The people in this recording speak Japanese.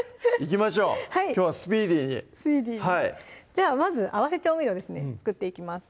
きょうはスピーディーにじゃあまず合わせ調味料ですね作っていきます